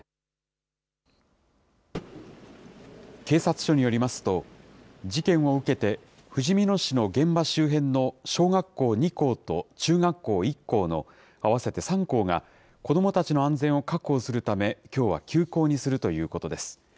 警察署によりますと、事件を受けて、ふじみ野市の現場周辺の小学校２校と中学校１校の、合わせて３校が子どもたちの安全を確保するため、きょうは休校にするということです。